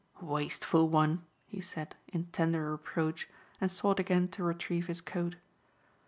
"Wasteful one," he said in tender reproach and sought again to retrieve his coat.